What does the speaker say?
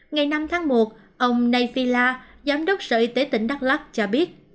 ngày năm tháng một ông nay phila giám đốc sở y tế tỉnh đắk lắc cho biết